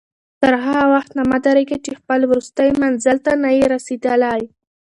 تر هغه وخته مه درېږه چې خپل وروستي منزل ته نه یې رسېدلی.